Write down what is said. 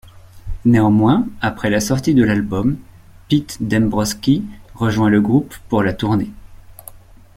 Néanmoins après la sortie de l'album, Pete Dembrowski rejoint le groupe pour la tournée.